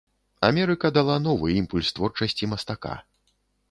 Амерыка дала новы імпульс творчасці мастака.